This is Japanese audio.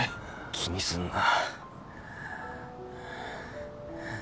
気にすんな。